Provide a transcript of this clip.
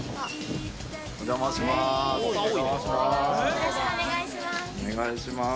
よろしくお願いします。